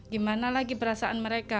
gimana lagi perasaan mereka